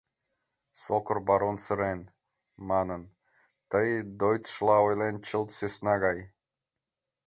Сокыр барон сырен, манын: «Тый дойтшла ойлет чылт сӧсна гай!».